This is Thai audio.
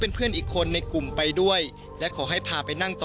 ช่วยเร่งจับตัวคนร้ายให้ได้โดยเร่ง